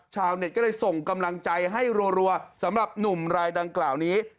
ชาวเน็ตก็เลยส่งกำลังใจให้รัวสำหรับหนุ่มรายดังกล่าวนี้